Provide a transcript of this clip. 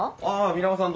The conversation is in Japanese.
皆川さん